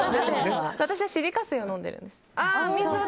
私はシリカ水を飲んでるんです。